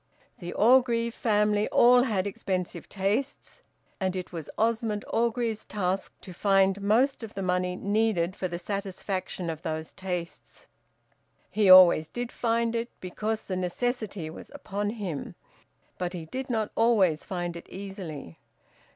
The Orgreave family all had expensive tastes, and it was Osmond Orgreave's task to find most of the money needed for the satisfaction of those tastes. He always did find it, because the necessity was upon him, but he did not always find it easily.